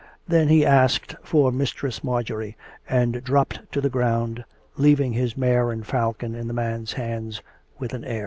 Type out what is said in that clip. Then he asked for Mistress Marjorie, and dropped to the ground, leaving his mare and falcon in the man's hands, with an air.